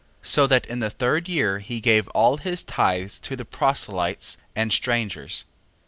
So that in the third year he gave all his tithes to the proselytes, and strangers.